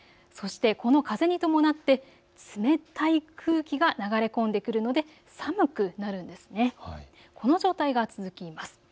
そしてこの風に伴って冷たい空気が流れ込んでくるので寒くなるんです。